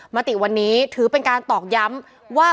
มติวันนี้ถือเป็นการตอกย้ำว่า